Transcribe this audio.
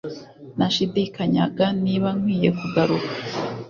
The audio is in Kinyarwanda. nashidikanyaga niba nkwiye kugaruka.